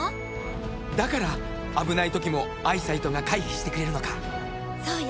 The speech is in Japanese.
だから危ない時もアイサイトが回避してくれるのかそうよ